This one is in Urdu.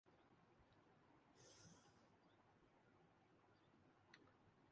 وقت پڑنے پر بیرونی طاقتوں کے مفادات